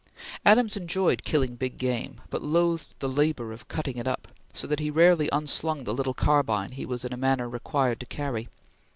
Adams enjoyed killing big game, but loathed the labor of cutting it up; so that he rarely unslung the little carbine he was in a manner required to carry.